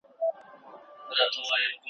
جهاني قاصد دي بولي نوی زېری یې راوړی ,